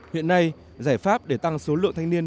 hiện nay giải pháp để tăng số lượng thanh niên